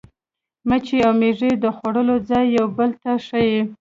مچۍ او مېږي د خوړو ځای یو بل ته ښيي.